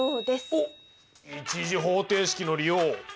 おっ１次方程式の利用！